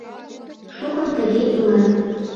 Шукын тыге илат.